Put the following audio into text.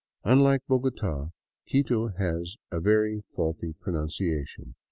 Unlike Bogota, Quito has a very faulty pronunciation.